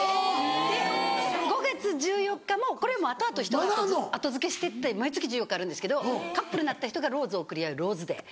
で５月１４日もこれも後々人が後付けしてって毎月１４日あるんですけどカップルになった人がローズを贈り合うローズデー。